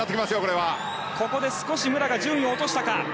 ここで武良が順位を落としたか。